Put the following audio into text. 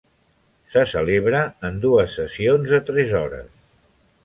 Se celebra en dues sessions de tres hores.